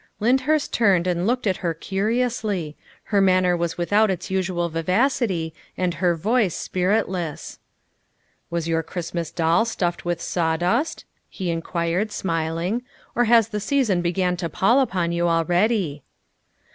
Lyndhurst turned and looked at her curiously; her manner was without its usual vivacity and her voice spiritless. " Was your Christmas doll stuffed with sawdust?" he inquired, smiling, " or has the season begun to pall upon you already?"